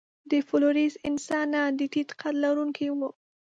د فلورېس انسانان د ټیټ قد لرونکي وو.